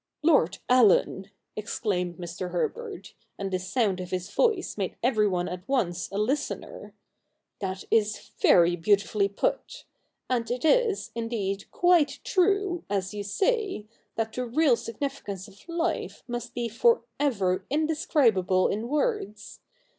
' Lord Allen,' exclaimed Mr. Herbert, and the sound of his voice made everyone at once a listener, ' that is very beautifully put ! And it is, indeed, quite true, as you say, that the real significance of life must be for ever indescribable in words.